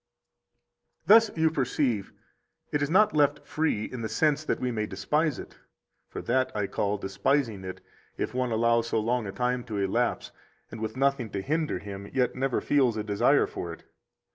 49 Thus, you perceive, it is not left free in the sense that we may despise it. For that I call despising it if one allow so long a time to elapse and with nothing to hinder him yet never feels a desire for it.